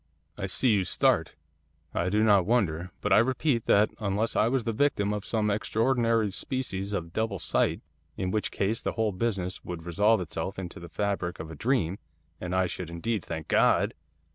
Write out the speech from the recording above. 'I see you start, I do not wonder. But I repeat that unless I was the victim of some extraordinary species of double sight in which case the whole business would resolve itself into the fabric of a dream, and I should indeed thank God!